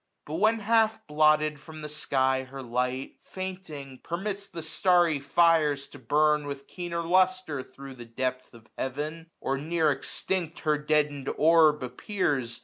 1100 But when half blotted from the sky her light, Fainting, permits the starry fires to burn With keener lustre thro* the depth of heaven ; Or near extinct her deadened orb appears.